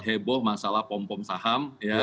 heboh masalah pompom saham